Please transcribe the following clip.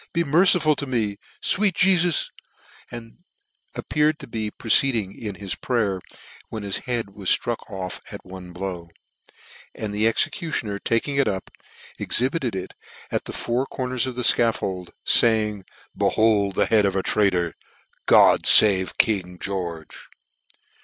be merciful to <c me; fweet Jems" and appeared to be pro ceeding iii his prayer, when his head was ftruck off at one blow ; and the executioner taking it up, exhibited it at the four corners of the fcaffold, faying, cc Behold the head of a traitor : God favc " king George."